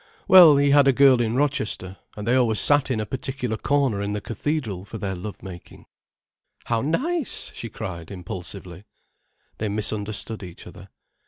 "Well, he had a girl in Rochester, and they always sat in a particular corner in the cathedral for their love making." "How nice!" she cried, impulsively. They misunderstood each other.